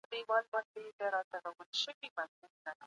خپل اطلاعات په ډېر پام او صداقت سره راټول کړئ.